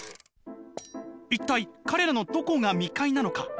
「一体彼らのどこが未開なのか？